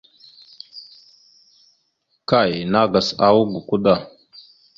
Kay nàgas awak gakwa da.